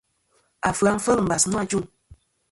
Afɨ-a fel mbas nô ajuŋ.